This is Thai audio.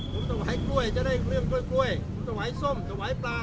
ผมถวายกล้วยจะได้เครื่องกล้วยผมถวายส้มถวายปลา